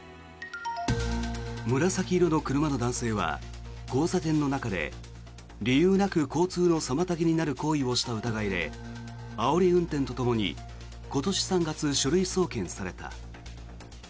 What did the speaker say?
紫色の車の男性は交差点の中で理由なく交通の妨げになる行為をした疑いであおり運転とともに今年３月、書類送検された。